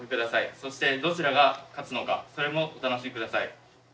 そしてどちらが勝つのかそれもお楽しみください。